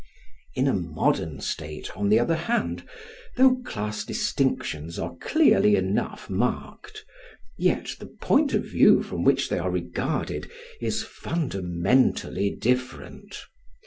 In a modern state, on the other hand, though class distinctions are clearly enough marked, yet the point of view from which they are regarded is fundamentally different.